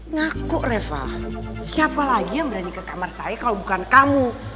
ngaku reva siapa lagi yang berani ke kamar saya kalau bukan kamu